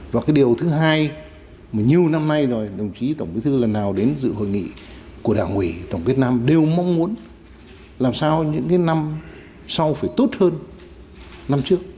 và cái điều thứ hai mà nhiều năm nay rồi đồng chí tổng bí thư lần nào đến dự hội nghị của đảng ủy tổng việt nam đều mong muốn làm sao những cái năm sau phải tốt hơn năm trước